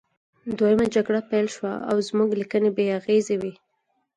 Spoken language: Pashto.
دویمه جګړه پیل شوه او زموږ لیکنې بې اغیزې وې